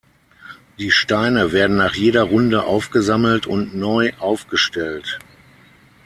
Die Steine werden nach jeder Runde aufgesammelt und neu aufgestellt.